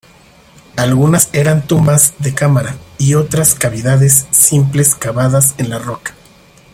Algunas eran tumbas de cámara y otras cavidades simples cavadas en la roca.